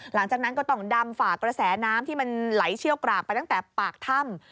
หลังจากนั้นก็ต้องดำฝากระแสน้ำที่มันไหลเชี่ยวกรากไปตั้งแต่ปากถ้ำ